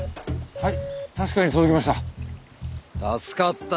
はい。